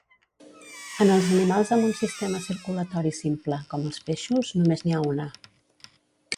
En els animals amb un sistema circulatori simple, com els peixos, només n'hi ha una.